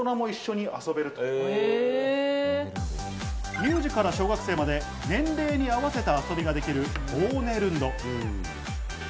乳児から小学生まで年齢に合わせた遊びができるボーネルンド。